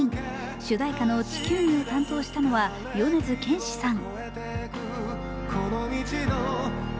主題歌の「地球儀」を担当したのは米津玄師さん。